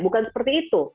bukan seperti itu